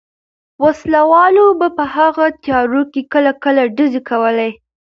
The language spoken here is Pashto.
وسله والو به په هغو تیارو کې کله کله ډزې کولې.